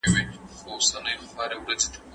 په مجلو کي علمي مطالب خپرېږي.